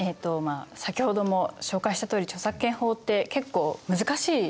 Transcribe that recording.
先ほども紹介したとおり著作権法って結構難しいですよね。